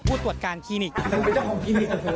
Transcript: เป็นเจ้าของคลินิกเหรอ